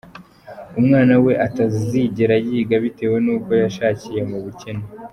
umwana we atazigera yiga bitewe n’uko yashakiye mu bukene.